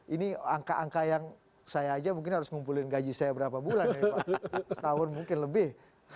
ini angka angka yang saya aja mungkin harus ngumpulin gaji saya berapa bulan setahun mungkin lebih